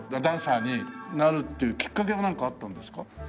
ダンサーになるっていうきっかけはなんかあったんですか？